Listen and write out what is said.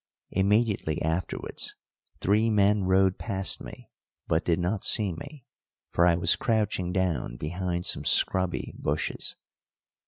Immediately afterwards three men rode past me, but did not see me, for I was crouching down behind some scrubby bushes.